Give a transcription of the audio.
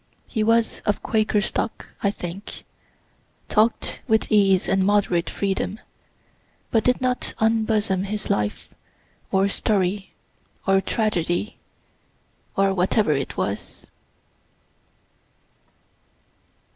He was of Quaker stock, I think; talk'd with ease and moderate freedom, but did not unbosom his life, or story, or tragedy, or whatever it was.